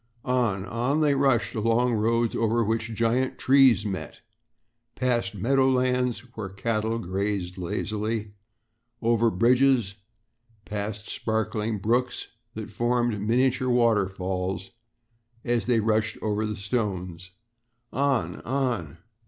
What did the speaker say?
On, on they rushed along roads over which giant trees met, past meadow lands where cattle grazed lazily, over bridges, past sparkling brooks that formed miniature waterfalls as they rushed over the stones on, on!